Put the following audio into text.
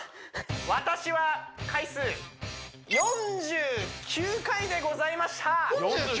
私は回数４９回でございました４９！？